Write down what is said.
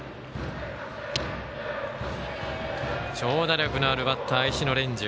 長打力のあるバッター、石野蓮授。